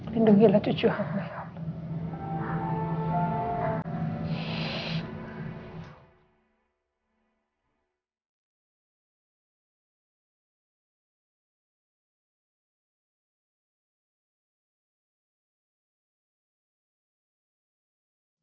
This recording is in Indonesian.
lindungilah cucu hamil